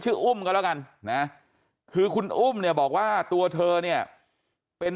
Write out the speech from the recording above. อุ้มก็แล้วกันนะคือคุณอุ้มเนี่ยบอกว่าตัวเธอเนี่ยเป็น